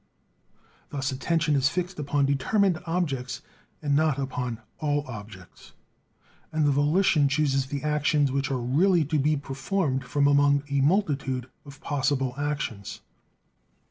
Thus attention is fixed upon determined objects and not upon all objects; and the volition chooses the actions which are really to be performed from among a multitude of possible actions.